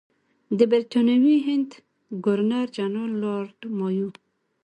د برټانوي هند ګورنر جنرال لارډ مایو.